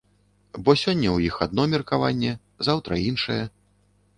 Бо сёння ў іх адно меркаванне, заўтра іншае.